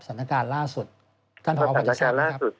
สถานการณ์ล่าสุดสถานการณ์ล่าสุดผมผมไม่ทราบเลยครับ